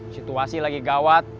situasi lagi gawat